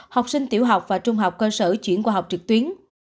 học sinh tiểu học và trung học cơ sở chuyển qua học trực tuyến